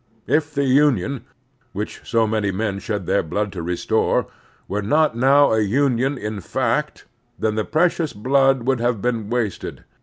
If the Union, which so many men shed their blood to restore, were not now a imion in fact, then the precious blood would have been wasted.